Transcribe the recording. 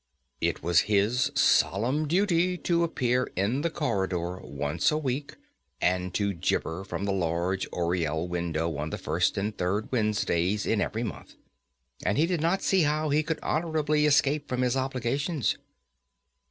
It was his solemn duty to appear in the corridor once a week, and to gibber from the large oriel window on the first and third Wednesdays in every month, and he did not see how he could honourably escape from his obligations.